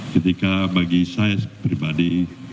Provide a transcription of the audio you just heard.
ketika bagi saya pribadi